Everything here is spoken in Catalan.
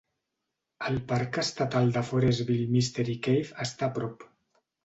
El parc estatal de Forestville Mystery Cave està a prop.